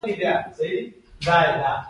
ایا زه باید استراحت وکړم؟